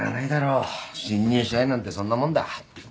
新入社員なんてそんなもんだ。